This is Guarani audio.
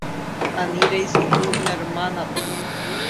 Ani reisu'u ne hérmanape.